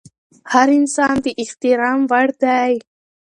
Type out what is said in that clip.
هر انسان د احترام وړ دی.